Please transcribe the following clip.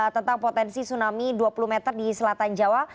tentang potensi tsunami dua puluh meter di selatan jawa